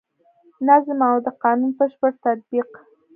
نظم او د قانون بشپړ تطبیق.